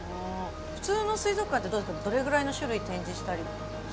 普通の水族館ってどれぐらいの種類展示したりしてるんですか？